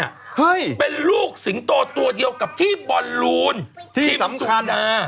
อ่ะเฮ้ยเป็นลูกสิงโต่ตัวเดียวกับที่บอลที่สัมคนา